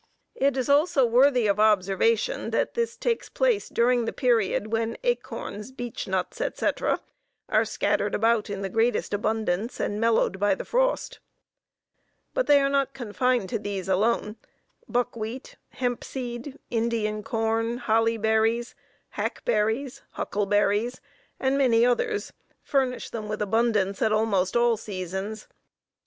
It is also worthy of observation that this takes place during the period when acorns, beechnuts, etc., are scattered about in the greatest abundance and mellowed by the frost. But they are not confined to these alone; buckwheat, hempseed, Indian corn, hollyberries, hackberries, huckleberries, and many others furnish them with abundance at almost all seasons.